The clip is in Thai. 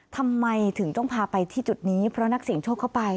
ทำไมถึงต้องพาไปที่จุดนี้เพราะนักเสียงโชคเข้าไป